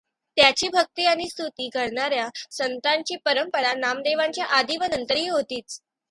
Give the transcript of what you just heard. त्याची भक्ती आणि स्तुती करणार् या संतांची परंपरा नामदेवांच्या आधी व नंतरही होतीच.